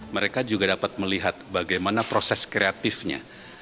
mereka juga dapat melihat bagaimana proses kreatifnya